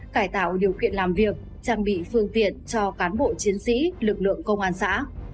cải tạo điều kiện làm việc trang bị phương tiện cho cán bộ chiến sĩ lực lượng công an xã